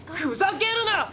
ふざけるな！